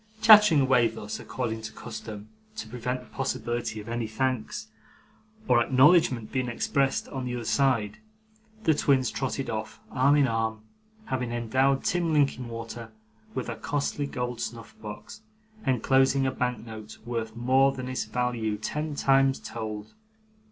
Chattering away thus, according to custom, to prevent the possibility of any thanks or acknowledgment being expressed on the other side, the twins trotted off, arm in arm; having endowed Tim Linkinwater with a costly gold snuff box, enclosing a bank note worth more than its value ten times told.